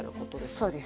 そうです。